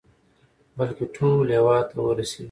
بلكې ټول هېواد ته ورسېږي.